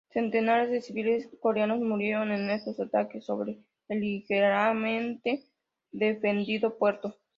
Centenares de civiles coreanos murieron en estos ataques sobre el ligeramente defendido puerto.